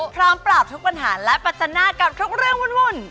พร้อมปราบทุกปัญหาและปัจจนากับทุกเรื่องวุ่น